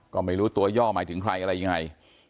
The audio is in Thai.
ก็ไม่รู้ตัวย่อหมายถึงใครอะไรยังไง